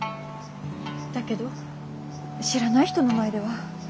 だけど知らない人の前では。